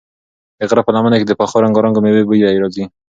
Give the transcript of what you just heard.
د غره په لمنو کې د پخو رنګارنګو مېوو بوی راځي.